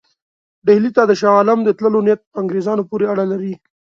ډهلي ته د شاه عالم د تللو نیت په انګرېزانو پورې اړه لري.